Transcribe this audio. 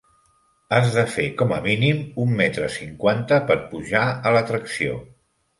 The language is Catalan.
Has de fer com a mínim un metre cinquanta per pujar a l'atracció.